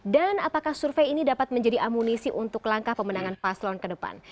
dan apakah survei ini dapat menjadi amunisi untuk langkah pemenangan paslon ke depan